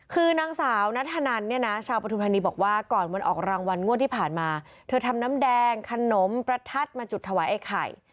คือนางสาวนัทธนันเนี่ยนะชาวปฐุมธานีบอกว่าก่อนวันออกรางวัลงวดที่ผ่านมาเธอทำน้ำแดงขนมประทัดมาจุดถวายไอ้ไข่